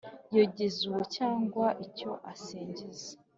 yogeza uwo cyangwa icyo asingiza